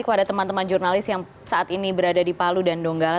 kepada teman teman jurnalis yang saat ini berada di palu dan donggala